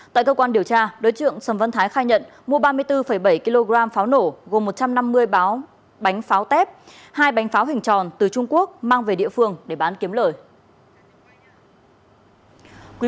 tại cơ quan điều tra đối tượng sầm văn thái khai nhận mua ba mươi bốn bảy kg pháo nổ gồm một trăm năm mươi báo bánh pháo tép hai bánh pháo hình tròn từ trung quốc mang về địa phương để bán kiếm lời